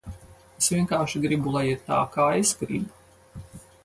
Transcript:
Es vienkārši gribu, lai ir tā, kā es gribu.